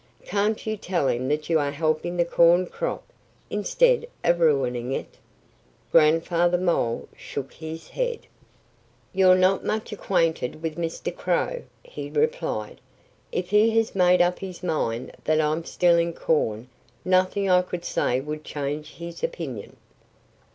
Can't you tell him that you are helping the corn crop, instead of ruining it?" Grandfather Mole shook his head. "You're not much acquainted with Mr. Crow," he replied. "If he has made up his mind that I'm stealing corn nothing I could say would change his opinion."